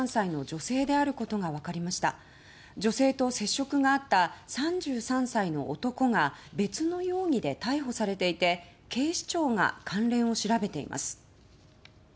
女性と接触があった３３歳の男が別の容疑で逮捕されていて警視庁が関連を調べています。